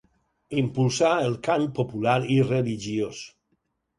Impulsà el cant popular i religiós.